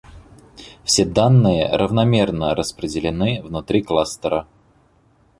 Все данные равномерно распределены внутри кластера